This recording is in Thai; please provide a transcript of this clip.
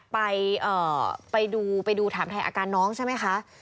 ไปดูถามถามอาการน้องใช่ไหมคะ